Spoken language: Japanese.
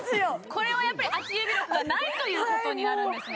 これはやっぱり足指力がないということになるんですね？